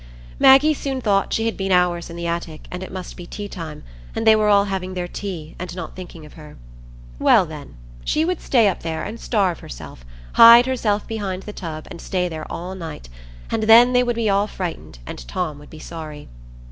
Maggie soon thought she had been hours in the attic, and it must be tea time, and they were all having their tea, and not thinking of her. Well, then, she would stay up there and starve herself,—hide herself behind the tub, and stay there all night,—and then they would all be frightened, and Tom would be sorry.